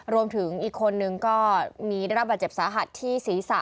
รวมถึงอีกคนนึงก็มีได้รับบาดเจ็บสาหัสที่ศีรษะ